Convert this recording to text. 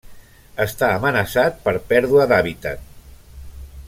Està amenaçat per pèrdua d'hàbitat.